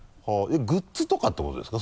グッズとかってことですか？